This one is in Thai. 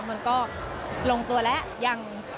มันก็ลงตัวแล้วยัง